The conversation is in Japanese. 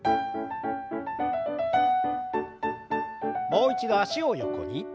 もう一度脚を横に。